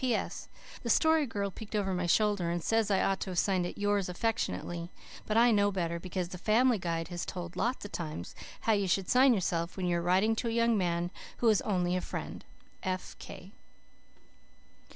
"P.S. The Story Girl peeked over my shoulder and says I ought to have signed it 'yours affeckshunately,' but I know better, because the Family Guide has told lots of times how you should sign yourself when you are writing to a young man who is only a friend.